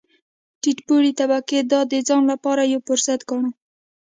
ټیټ پوړې طبقې دا د ځان لپاره یو فرصت ګاڼه.